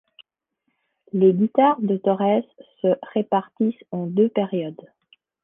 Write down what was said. Les guitare de Torres se répartissent en deux périodes.